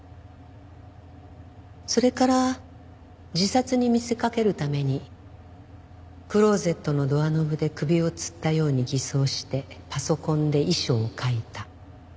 それから自殺に見せかけるためにクローゼットのドアノブで首をつったように偽装してパソコンで遺書を書いた。